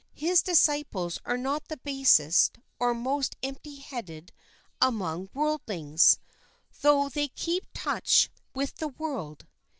His disciples are not the basest or most empty headed among worldlings, though they keep touch with the world.